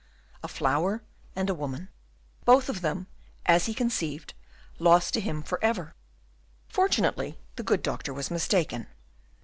A flower, and a woman; both of them, as he conceived, lost to him for ever. Fortunately the good doctor was mistaken.